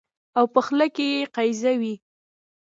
او په خوله کې يې قیضه وي